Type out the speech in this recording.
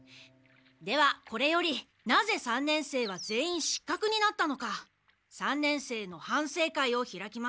ではこれよりなぜ三年生は全員失格になったのか三年生の反省会を開きます。